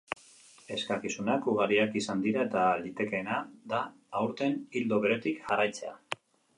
Eskakizunak ugariak izan dira eta litekeena da aurten ildo beretik jarraitzea.